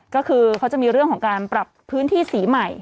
ก็คือเขาจะมีเรื่องของการปรับพื้นที่สีใหม่